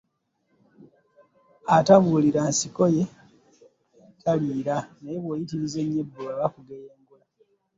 Atabubira nsiko ye taliira, naye bw’oyitiriza ennyo ebbuba bakugeyengula.